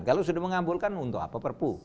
kalau sudah mengabulkan untuk apa perpu